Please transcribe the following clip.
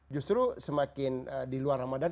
justru semakin di luar ramadan